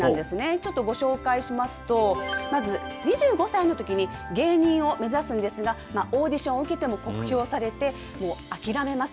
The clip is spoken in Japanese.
ちょっとご紹介しますと、まず２５歳のときに芸人を目指すんですが、オーディションを受けても酷評されて、もう諦めます。